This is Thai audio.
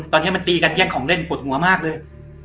ตอนนี้ตีกันแยกของเล่นบดหัวมากเลย